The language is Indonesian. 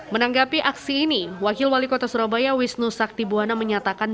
menanggapi aksi ini wakil wali kota surabaya wisnu sakti buwana menyatakan